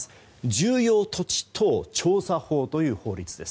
重要土地等調査法という法律です。